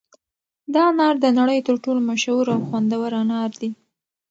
دا انار د نړۍ تر ټولو مشهور او خوندور انار دي.